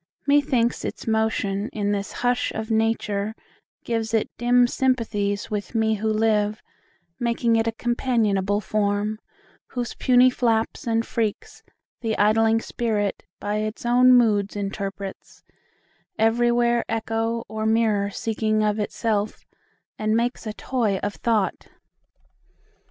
Methinks, its motion in this hush of nature Gives it dim sympathies with me who live, Making it a companionable form, Whose puny flaps and freaks the idling Spirit By its own moods interprets, every where Echo or mirror seeking of itself, And makes a toy of Thought.